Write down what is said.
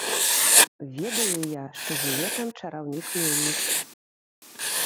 Ведаю я, што жыве там чараўнік-мельнік.